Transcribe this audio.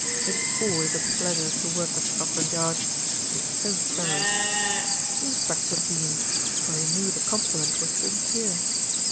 "It is always a pleasure to work with Scotland Yard, It is so thorough." The inspector beamed; for he knew the compliment was sincere.